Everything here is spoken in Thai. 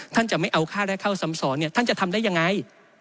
ท่านจะไม่เอาค่าแรกเข้าซ้ำสอนท่านจะทำได้ยังไง